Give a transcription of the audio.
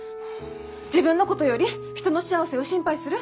自分のことより人の幸せを心配する